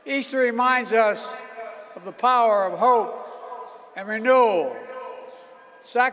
easter mengingatkan kita tentang kekuatan harapan dan penyembuhan